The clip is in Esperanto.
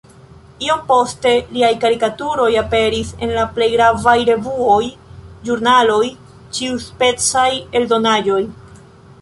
Iom poste liaj karikaturoj aperis en la plej gravaj revuoj, ĵurnaloj, ĉiuspecaj eldonaĵoj.